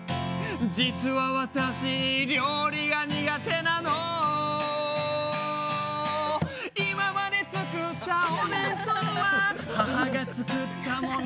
「実は私料理が苦手なの」「今まで作ったお弁当は母が作ったもの」